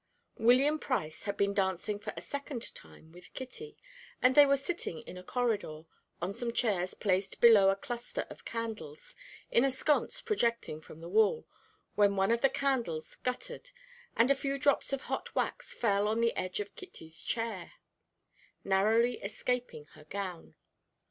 William Price had been dancing for a second time with Kitty, and they were sitting in a corridor, on some chairs placed below a cluster of candles in a sconce projecting from the wall, when one of the candles guttered, and a few drops of hot wax fell on the edge of Kitty's chair, narrowly escaping her gown.